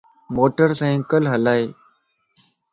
موٽر سائيڪل ھلائي